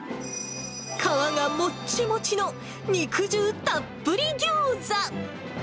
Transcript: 皮がもっちもちの肉汁たっぷりギョーザ。